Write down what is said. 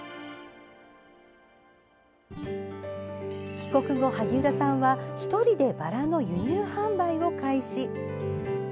帰国後、萩生田さんは１人でバラの輸入販売を開始。